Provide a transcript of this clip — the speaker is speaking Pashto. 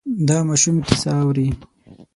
دا ماشوم کیسه اوري.